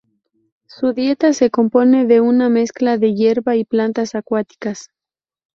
Su dieta se compone de una mezcla de hierba y plantas acuáticas.